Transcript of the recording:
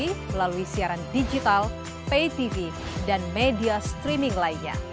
melalui siaran digital pay tv dan media streaming lainnya